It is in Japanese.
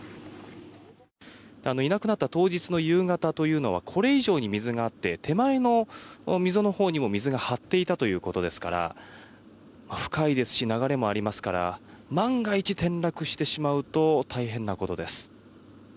いなくなった当日の夕方というのはこれ以上に水があって手前の溝のほうにも水が張っていたということですから深いですし流れもありますから万が一、転落してしまいますと大変なことです。